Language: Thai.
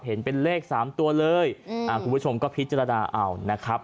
เห็นเป็นเลข๓ตัวเลยคุณผู้ชมก็พิจารณาเอานะครับ